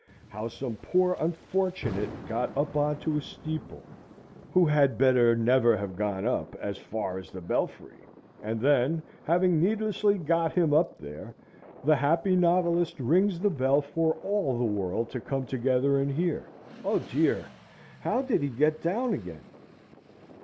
how some poor unfortunate got up on to a steeple, who had better never have gone up as far as the belfry; and then, having needlessly got him up there, the happy novelist rings the bell for all the world to come together and hear, O dear! how he did get down again!